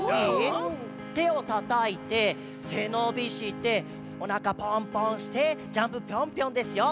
手をたたいてせのびしておなかポンポンしてジャンプピョンピョンですよ。